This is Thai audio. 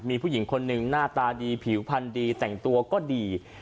มีผู้หญิงคนหนึ่งหน้าตาดีผิวพันธุ์ดีแต่งตัวก็ดี